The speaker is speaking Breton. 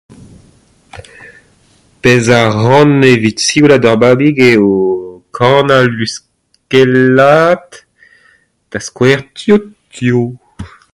'Pezh a ran evit sioulaat ar babig eo kanañ, luskellat, da skouer : Tio Tio.